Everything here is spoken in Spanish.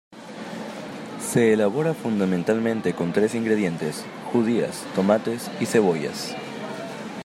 Se elabora fundamentalmente con tres ingredientes: judías, tomates y cebollas.